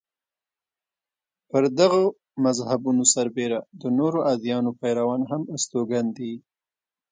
پر دغو مذهبونو سربېره د نورو ادیانو پیروان هم استوګن دي.